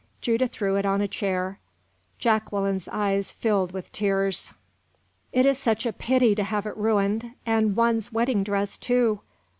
Judith threw it on a chair. Jacqueline's eyes filled with tears. "It is such a pity to have it ruined and one's wedding dress, too!"